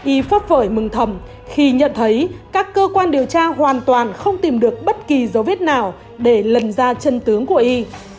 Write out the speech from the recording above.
y pháp phởi mừng thầm khi nhận thấy các cơ quan điều tra hoàn toàn không tìm được bất kỳ dấu vết nào để lần ra chân tướng của y